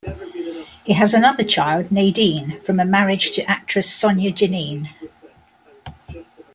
He has another child Nadine from a marriage to actress Sonja Jeannine.